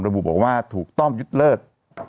ระบุบอกว่าถูกต้องยึดเลิศ